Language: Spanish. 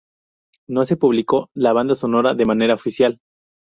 No se publicó la banda sonora de manera oficial.